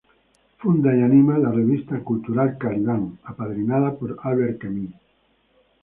Funda y anima la revista cultural "Caliban" apadrinada por Albert Camus.